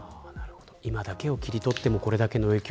今だけを切り取ってもこれだけの影響